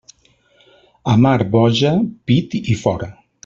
A mar boja, pit i fora.